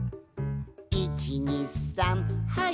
「１２３はい」